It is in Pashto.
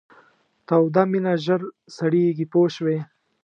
توده مینه ژر سړیږي پوه شوې!.